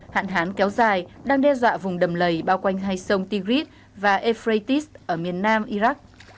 hạn hán kéo dài đang đe dọa vùng đầm lầy bao quanh hai sông tigris và ephrates ở miền nam iraq